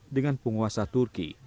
dengan penguasa turki